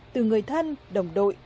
từ người thân đồng đội